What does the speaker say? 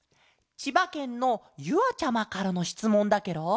ちばけんのゆあちゃまからのしつもんだケロ。